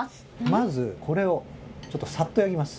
まずこれをちょっとサッと焼きます。